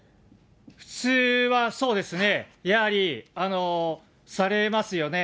普通はそうですね、やはりされますよね。